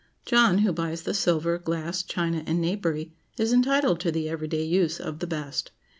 John, who buys the silver, glass, china, and napery, is entitled to the every day use of the best.